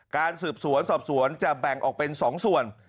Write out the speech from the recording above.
การสืบสวนสอบสวนจะแบ่งออกเป็น๒ส่วน